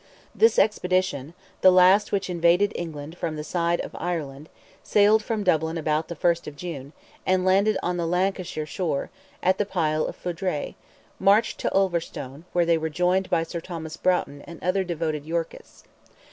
This expedition—the last which invaded England from the side of Ireland—sailed from Dublin about the first of June, and landing on the Lancashire shore, at the pile of Foudray, marched to Ulverstone, where they were joined by Sir Thomas Broughton and other devoted Yorkists.